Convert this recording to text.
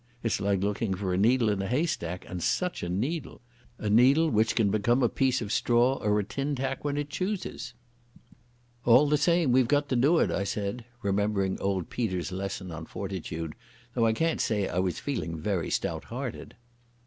It's like looking for a needle in a haystack, and such a needle! A needle which can become a piece of straw or a tin tack when it chooses!" "All the same we've got to do it," I said, remembering old Peter's lesson on fortitude, though I can't say I was feeling very stout hearted.